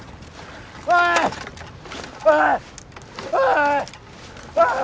ああ！